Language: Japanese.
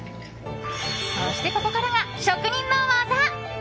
そして、ここからが職人の技。